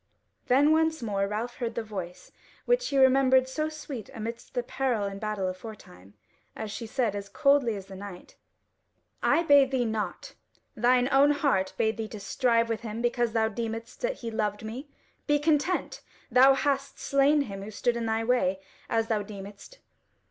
Then once more Ralph heard the voice, which he remembered so sweet amidst peril and battle aforetime, as she said as coldly as the Knight: "I bade thee not: thine own heart bade thee to strive with him because thou deemedst that he loved me. Be content! thou hast slain him who stood in thy way, as thou deemedst.